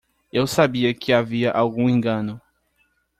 Eu sabia que havia algum engano.